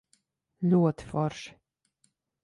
Ļoti forši.